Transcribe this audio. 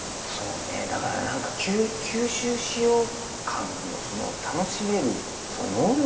だから何か吸収しよう感楽しめる能力だよ。